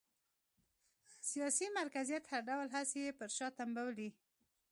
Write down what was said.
سیاسي مرکزیت هر ډول هڅې یې پر شا تمبولې